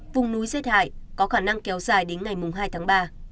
vùng núi rét hại có khả năng kéo dài đến ngày hai tháng ba